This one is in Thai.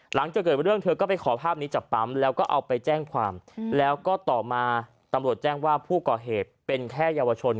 หลังจากเกิดเรื่องเธอก็ไปขอภาพนี้จากปั๊มแล้วก็เอาไปแจ้งความแล้วก็ต่อมาตำรวจแจ้งว่าผู้ก่อเหตุเป็นแค่เยาวชน